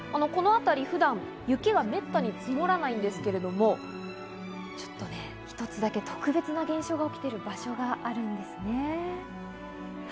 このあたり、普段、雪はめったに積もらないんですけれども、ちょっとね、一つだけ特別な現象が起きている場所があるんですね。